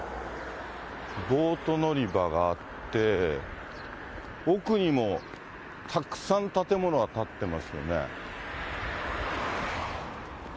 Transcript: ボート乗り場があって、奥にもたくさん建物が立ってますよね。